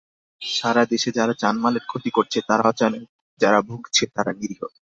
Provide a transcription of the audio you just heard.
সারা দেশে যারা জানমালের ক্ষতি করছে, তারাও জানে, যারা ভুগছে তারা নিরীহ।